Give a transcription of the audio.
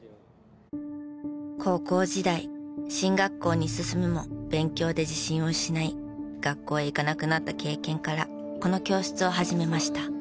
高校時代進学校に進むも勉強で自信を失い学校へ行かなくなった経験からこの教室を始めました。